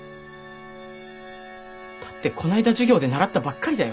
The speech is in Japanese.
だってこないだ授業で習ったばっかりだよ。